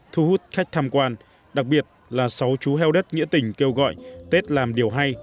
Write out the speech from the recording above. thu hút khách tham quan đặc biệt là sáu chú heo đất nghĩa tình kêu gọi tết làm điều hay